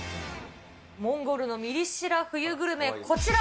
モンゴルのミリ知ら冬グルメ、こちら。